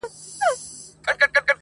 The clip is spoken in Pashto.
دې میدان کي د چا نه دی پوروړی-